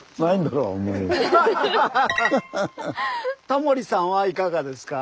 タモリさんはいかがですか？